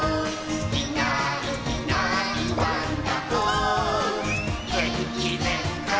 「いないいないワンダホーげんきぜんかい」